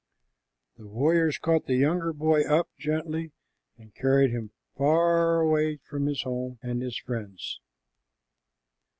The warriors caught the younger boy up gently, and carried him far away from his home and his friends.